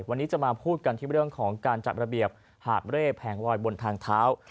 วันนี้จะมาพูดกันที่เรื่องของการจัดระเบียบหาบเร่แผงลอยบนทางเท้า